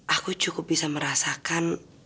aku cukup bisa merasakannya